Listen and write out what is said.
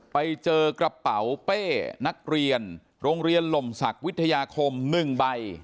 ไปเจอกระเป๋าเป้นักเรียนโรงเรียนหล่มศักดิ์วิทยาคม๑ใบ